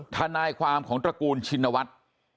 ทนายความของตระกูลชินวัฒน์